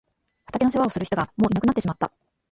畑の世話をする人がもういなくなってしまった。